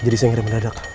jadi saya ngeremen dadak